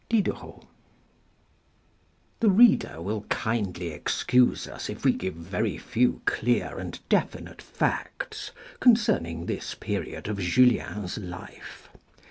— Diderot. The reader will kindly excuse us if we give very few clear and definite facts concerning this period of Julien's life.